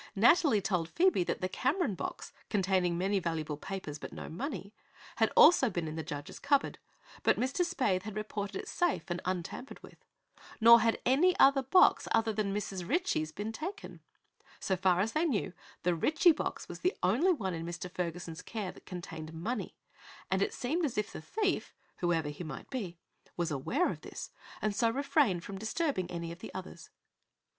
Nathalie told Phoebe that the Cameron box, containing many valuable papers but no money, had also been in the judge's cupboard, but Mr. Spaythe had reported it safe and untampered with. Nor had any box other than Mrs. Ritchie's been taken. So far as they knew, the Ritchie box was the only one in Mr. Ferguson's care that contained money, and it seemed as if the thief, whoever he might be, was aware of this and so refrained from disturbing any of the others.